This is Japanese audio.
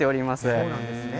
そうなんですね。